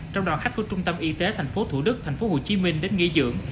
trong đoàn khách của trung tâm y tế tp thủ đức tp hồ chí minh đến nghỉ dưỡng